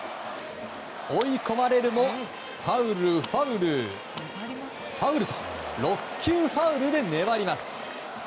追い込まれるもファウル、ファウル、ファウルと６球、ファウルで粘ります。